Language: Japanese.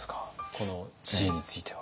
この知恵については。